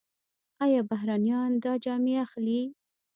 آیا بهرنیان دا جامې اخلي؟